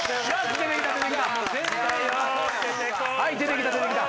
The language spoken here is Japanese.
出てきた出てきた。